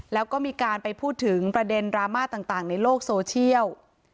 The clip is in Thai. แล้วก็มีการไปพูดถึงประเด็นดราม่าต่างในโลกโซเชียล